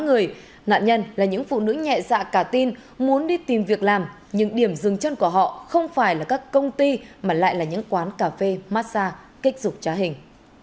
nạn nhân là những phụ nữ nhẹ dạ cả tin muốn đi tìm việc làm nhưng điểm dừng chân của họ không phải là các công ty mà lại là những quán cà phê massage kích dục trá hình